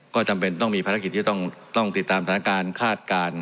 ก็จำเป็นต้องมีภารกิจที่ต้องติดตามสถานการณ์คาดการณ์